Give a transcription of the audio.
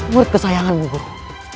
murid kesayanganmu guru